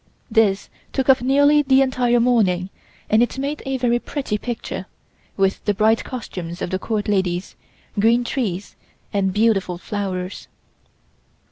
This took up nearly the entire morning and it made a very pretty picture, with the bright costumes of the Court ladies, green trees and beautiful flowers.